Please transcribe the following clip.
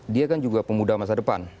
dia kan juga pemuda masa depan